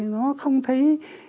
nó không thấy